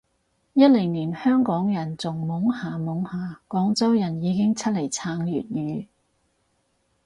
一零年香港人仲懵下懵下，廣州人已經出嚟撐粵語